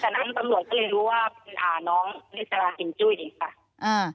ก็ตั้งแต่นั้นตำรวจก็เลยรู้ว่าน้องนี่จะราชินจุ้ยดีค่ะ